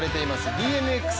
ＢＭＸ